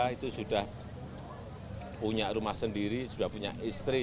itu sudah punya rumah sendiri sudah punya istri